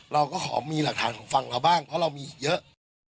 เราก็ขอมีหลักฐานของฝั่งเราบ้างเพราะเรามีอีกเยอะ